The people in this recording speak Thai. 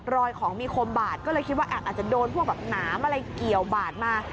รอยของมีคมบาดก็เลยคิดว่าอาจจะโดนพวกแบบหนามอะไรเกี่ยวบาดมา